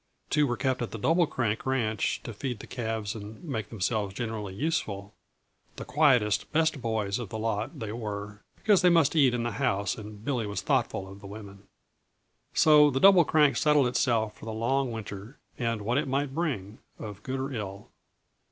Two were kept at the Double Crank Ranch to feed the calves and make themselves generally useful the quietest, best boys of the lot they were, because they must eat in the house and Billy was thoughtful of the women. So the Double Crank settled itself for the long winter and what it might bring of good or ill.